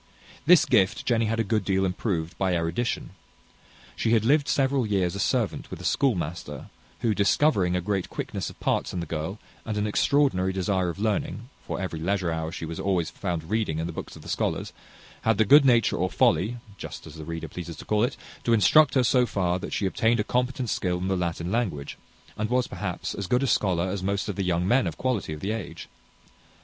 This gift Jenny had a good deal improved by erudition. She had lived several years a servant with a schoolmaster, who, discovering a great quickness of parts in the girl, and an extraordinary desire of learning for every leisure hour she was always found reading in the books of the scholars had the good nature, or folly just as the reader pleases to call it to instruct her so far, that she obtained a competent skill in the Latin language, and was, perhaps, as good a scholar as most of the young men of quality of the age.